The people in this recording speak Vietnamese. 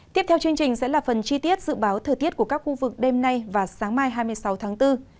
tiếp theo chương trình sẽ là phần chi tiết dự báo thời tiết của các khu vực đêm nay và sáng mai hai mươi sáu tháng bốn